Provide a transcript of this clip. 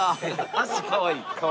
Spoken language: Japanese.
足かわいい。